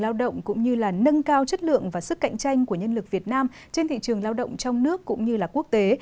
lao động cũng như là nâng cao chất lượng và sức cạnh tranh của nhân lực việt nam trên thị trường lao động trong nước cũng như là quốc tế